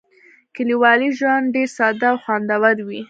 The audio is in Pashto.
کلیوالي ژوند ډېر ساده او خوندور وي.